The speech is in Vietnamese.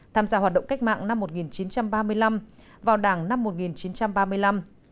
tham gia hoạt động cách mạng năm một nghìn chín trăm ba mươi năm vào đảng năm một nghìn chín trăm ba mươi năm